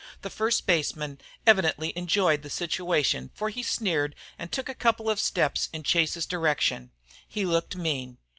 The first baseman evidently enjoyed the situation for he sneered and took a couple of steps in Chase's direction. He looked mean.